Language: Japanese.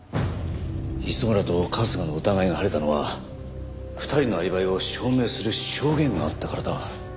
磯村と春日の疑いが晴れたのは２人のアリバイを証明する証言があったからだ。